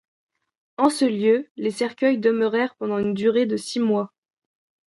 En ce lieu, les cercueils demeurèrent pendant une durée de six mois.